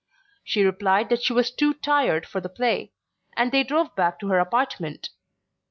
She replied that she was too tired for the play, and they drove back to her apartment.